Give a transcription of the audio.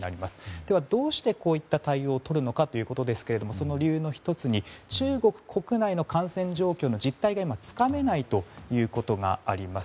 では、どうしてこういった対応をとるのかですがその理由の１つに中国国内の感染状況の実態が今つかめないということがあります。